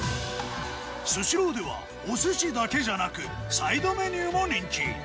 スシローではお寿司だけじゃなくサイドメニューも人気。